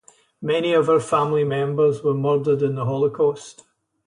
Many of her family members were murdered in the Holocaust.